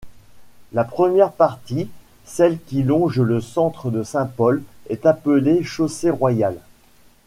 La première partie, celle qui longe le centre de Saint-Paul, est appelée chaussée Royale.